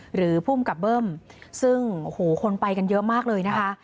หรือภูมิกับเบิ้มซึ่งโอ้โหคนไปกันเยอะมากเลยนะคะ